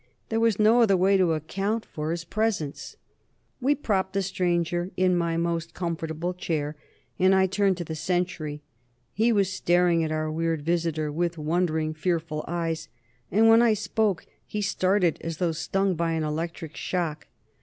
There was no other way to account for his presence. We propped the stranger in my most comfortable chair, and I turned to the sentry. He was staring at our weird visitor with wondering, fearful eyes, and when I spoke he started as though stung by an electric shock.